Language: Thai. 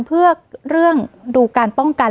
เพื่อเรื่องดูการป้องกัน